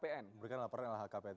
berikan laporan lhkpn